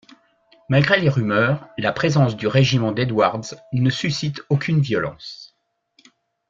Malgré les rumeurs, la présence du régiment d'Edwards ne suscite aucune violence.